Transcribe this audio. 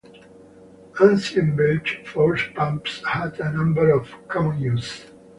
Ancient bilge force pumps had a number of common uses.